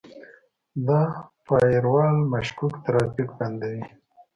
دا فایروال مشکوک ترافیک بندوي.